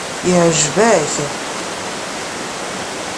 Yeɛjeb-ak?